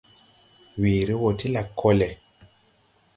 Weere wɔ ti lakɔlɛ.